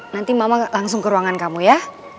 nanti mama langsung ke ruangan kamu ya